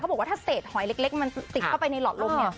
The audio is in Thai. บอกว่าถ้าเศษหอยเล็กมันติดเข้าไปในหลอดลมเนี่ย